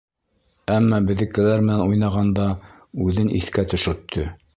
Әммә беҙҙекеләр менән уйнағанда үҙен иҫкә төшөрттө!